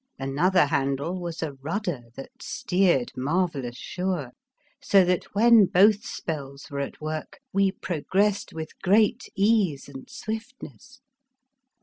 Another handle was a rudder that steered mar vellous sure, so that when both spells were at work we progressed with great ease and swiftness.